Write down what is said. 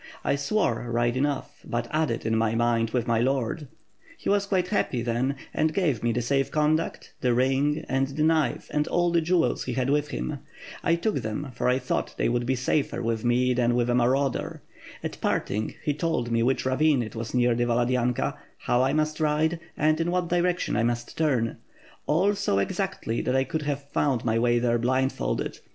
I swore, right enough, but added, in my mind, with my lord!' He was quite happy, then, and gave me the safe con duct, the ring, and the knife and all the jewels he had with him. I took them, for I thought they would be safer with me than with a marauder. At parting, he told me which ravine it was near the Valad}Tika, how I must ride, and in what direction I must turn; all so exactly that I could have found my way there blindfolded.